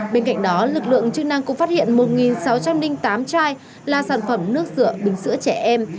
bên cạnh đó lực lượng chức năng cũng phát hiện một sáu trăm linh tám chai là sản phẩm nước rửa bình sữa trẻ em